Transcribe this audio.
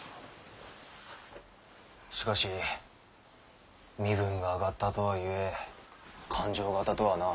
しかし身分が上がったとはいえ勘定方とはな。